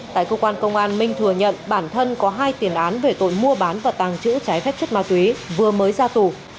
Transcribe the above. tại cơ quan công an minh thừa nhận bản thân có hai tiền án về tội mua bán và tàng trữ trái phép chất ma túy vừa mới ra tù